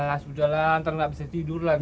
ah sudah lah ntar nggak bisa tidur lah